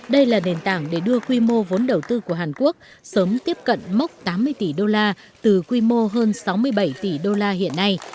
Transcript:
đây là nền tảng để đưa quy mô vốn đầu tư của hàn quốc sớm tiếp cận mốc tám mươi tỷ usd từ quy mô hơn sáu mươi bảy tỷ usd hiện nay